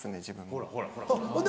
ほらほらほらほら。